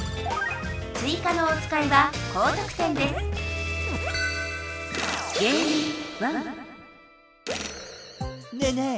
追加のおつかいは高得点ですねえねえ